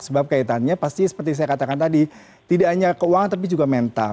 sebab kaitannya pasti seperti saya katakan tadi tidak hanya keuangan tapi juga mental